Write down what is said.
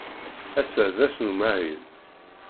Ass-a d ass n umahil.